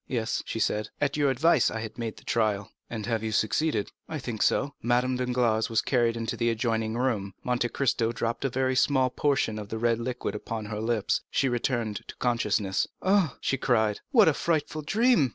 "Yes," she said, "at your advice I have made the trial." "And have you succeeded?" "I think so." Madame Danglars was carried into the adjoining room; Monte Cristo dropped a very small portion of the red liquid upon her lips; she returned to consciousness. "Ah," she cried, "what a frightful dream!"